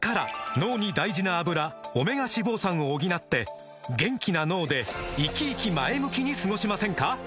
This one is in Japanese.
脳に大事な「アブラ」オメガ脂肪酸を補って元気な脳でイキイキ前向きに過ごしませんか？